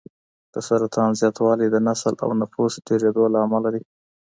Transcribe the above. د سرطان زیاتوالی د نسل او نفوس ډېرېدو له امله دی.